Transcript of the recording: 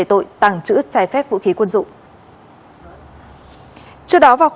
trong tình hình dịch bệnh